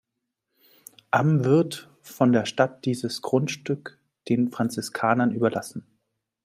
Am wird von der Stadt dieses Grundstück den Franziskanern überlassen.